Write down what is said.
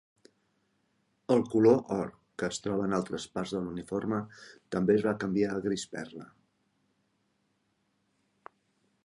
El color or que es troba en altres parts de l'uniforme també es va canviar a gris perla.